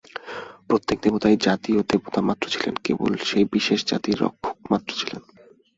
প্রত্যেক দেবতাই জাতীয় দেবতামাত্র ছিলেন, কেবল সেই বিশেষ জাতির রক্ষকমাত্র ছিলেন।